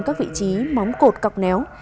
các vị trí móng cột cọc néo